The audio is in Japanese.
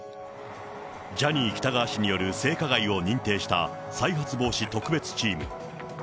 ジャニー喜多川氏による性加害を認定した再発防止特別チーム。